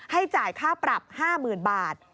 จ่ายค่าปรับ๕๐๐๐บาท